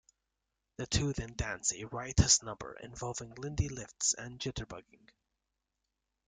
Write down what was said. The two then dance a riotous number involving Lindy lifts and jitterbugging.